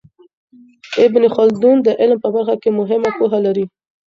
ابن خلدون د علم په برخه کي مهمه پوهه لري.